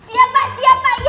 iya pak iya pak